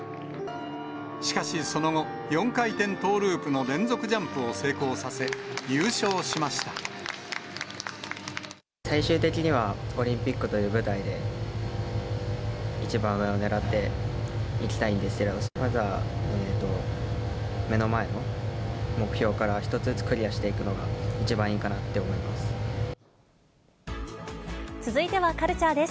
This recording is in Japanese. しかしその後、４回転トーループの連続ジャンプを成功させ、最終的にはオリンピックという舞台で、一番上をねらっていきたいんですけど、まずは目の前の目標から１つずつクリアしていくのが一番いいかな続いてはカルチャーです。